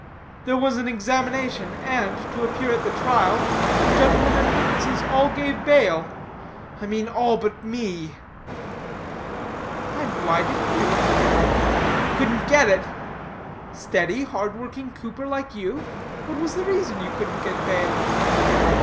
There was an examination, and, to appear at the trial, the gentleman and witnesses all gave bail I mean all but me." "And why didn't you?" "Couldn't get it." "Steady, hard working cooper like you; what was the reason you couldn't get bail?"